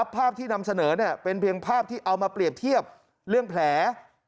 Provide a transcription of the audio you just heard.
ภาพที่นำเสนอเป็นเพียงภาพที่เอามาเปรียบเทียบเรื่องแผล